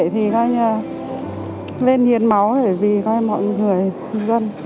thì lên hiến máu để vì mọi người dân